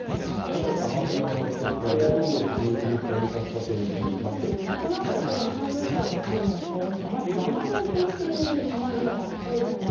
さて、雨雲の様子ですが、いよいよ梅雨入り本格化という気もこのあと午後３時以降の雨の予想ですが、まず山沿い中心に雨雲湧きそうですね。